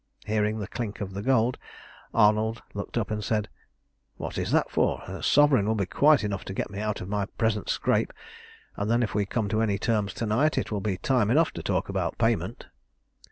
Hearing the clink of the gold, Arnold looked up and said "What is that for? A sovereign will be quite enough to get me out of my present scrape, and then if we come to any terms to night it will be time enough to talk about payment."